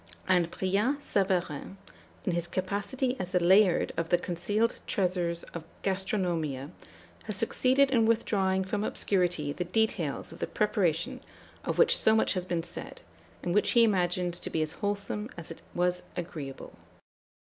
And Brillat Savarin, in his capacity as the Layard of the concealed treasures of Gastronomia, has succeeded in withdrawing from obscurity the details of the preparation of which so much had been said, and which he imagines to be as wholesome as it was agreeable.